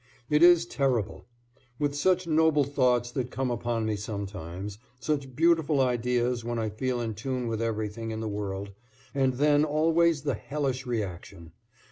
It is terrible. With such noble thoughts that come upon me sometimes, such beautiful ideas when I feel in tune with everything in the world, and then always the hellish reaction.